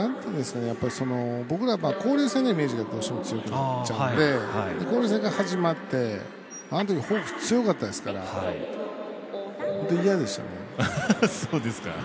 僕ら、交流戦のイメージがどうしても強くなっちゃうので交流戦から始まってあのときホークス強かったですから、嫌でしたね。